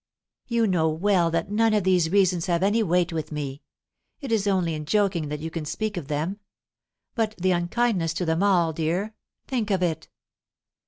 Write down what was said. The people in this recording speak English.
"You know well that none of these reasons have any weight with me. It is only in joking that you can speak of them. But the unkindness to them all, dear! Think of it!"